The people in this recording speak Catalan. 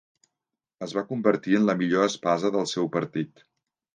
Es va convertir en la millor espasa del seu partit.